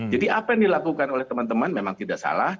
jadi apa yang dilakukan oleh teman teman memang tidak salah